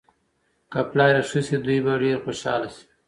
که پلار یې ښه شي، دوی به ډېر خوشحاله شي.